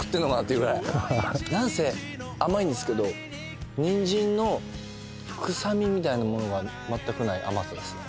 なんせ甘いんですけどニンジンの臭みみたいなものが全くない甘さですね